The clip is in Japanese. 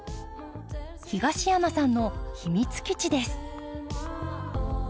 東山さんの秘密基地です。